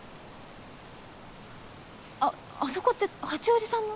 あっあそこって八王子さんの？